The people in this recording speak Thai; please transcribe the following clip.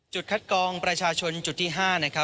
จุดคัดกรองประชชนจุดที่๕